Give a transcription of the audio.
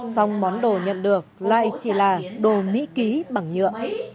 xong món đồ nhận được lại chỉ là đồ mỹ ký bằng nhựa